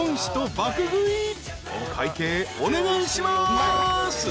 ［お会計お願いします］